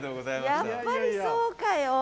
やっぱりそうかよ。